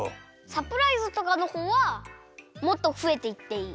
サプライズとかのほうはもっとふえていっていい。